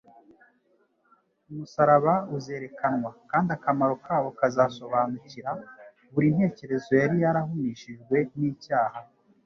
Umusaraba uzerekanwa, kandi akamaro kawo kazasobanukira buri ntekerezo yari yarahumishijwe n'icyaha.